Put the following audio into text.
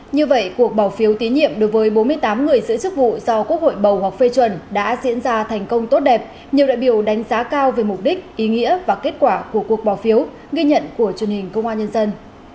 như vậy cuộc bỏ phiếu tín nhiệm đối với bốn mươi tám người giữ chức vụ do quốc hội bầu hoặc phê chuẩn đã diễn ra thành công tốt đẹp nhiều đại biểu đánh giá cao về mục đích ý nghĩa và kết quả của cuộc bỏ phiếu ghi nhận của truyền hình công an nhân dân